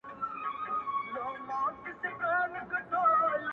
نه یې پښې لامبو ته جوړي نه لاسونه،